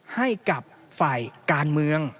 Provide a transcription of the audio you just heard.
ให้กับฝ่ายการเมือง